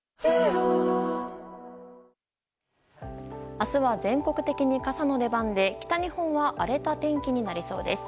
明日は全国的に傘の出番で北日本は荒れた天気になりそうです。